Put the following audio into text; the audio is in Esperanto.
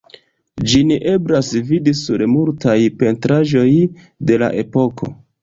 Ĝin eblas vidi sur multaj pentraĵoj de la epoko.